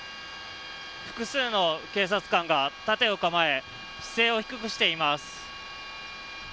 複数の警察官が盾を構え姿勢を低くしています。